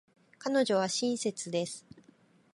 彼女は親切です。